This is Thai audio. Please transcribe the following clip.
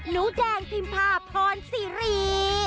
หนูแดงพิมพาพรซีรี